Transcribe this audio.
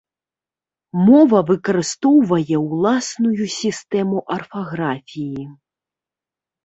Мова выкарыстоўвае ўласную сістэму арфаграфіі.